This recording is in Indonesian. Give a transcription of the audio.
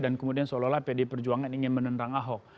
dan kemudian seolah olah pd perjuangan ingin menerang ahok